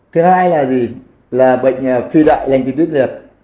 thứ hai là gì là bệnh phi đại lành tiến tuyến liệt